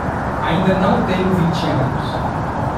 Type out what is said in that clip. Ainda não tenho vinte anos